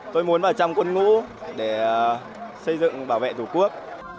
tôi muốn vào trong quân ngũ để xây dựng bảo vệ thủ quốc